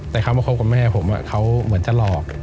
แต่เขามาคบกับแม่ผมเขาเหมือนจะหลอก